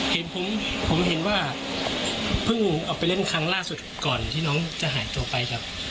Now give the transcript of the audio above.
เห็นผมเห็นว่าเพิ่งออกไปเล่นครั้งล่าสุดก่อนที่น้องจะหายตัวไปครับ